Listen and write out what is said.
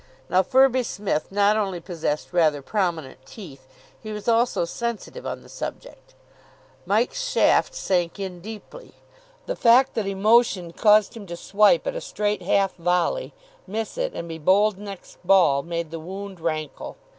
Now Firby Smith not only possessed rather prominent teeth; he was also sensitive on the subject. Mike's shaft sank in deeply. The fact that emotion caused him to swipe at a straight half volley, miss it, and be bowled next ball made the wound rankle.